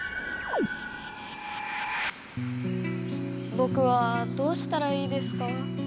ぼくはどうしたらいいですか？